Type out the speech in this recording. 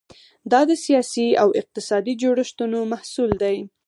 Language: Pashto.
دا د سیاسي او اقتصادي جوړښتونو محصول دی.